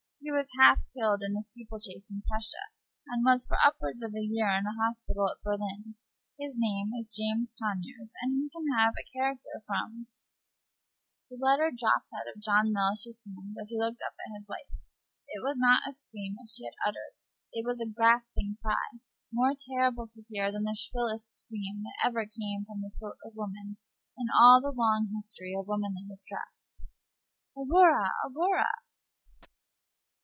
He was half killed in a steeple chase in Prussia, and was for upward of a year in a hospital at Berlin. His name is James Conyers, and he can have a character from " The letter dropped out of John Mellish's hand as he looked up at his wife. It was not a scream which she had uttered. It was a gasping cry, more terrible to hear than the shrillest scream that ever came from the throat of woman in all the long history of womanly distress. "Aurora! Aurora!"